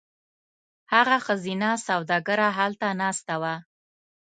هغه ښځینه سوداګره هلته ناسته وه.